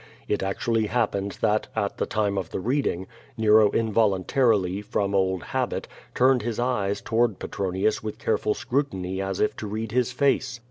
It actually happened that, at the time of the readin<];, Nero involuntarily, from old habit, turned his eyes toward Petronius with careful scrutiny as if to read his face.